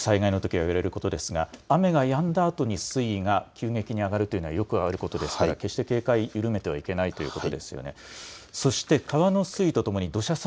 よく災害のとき言われることですが雨がやんだあとに水位が急激に上がるというのはよくあることで警戒を緩めてはいけないということですね。